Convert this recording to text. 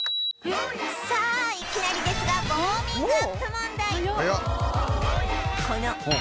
さあいきなりですがウォーミングアップ問題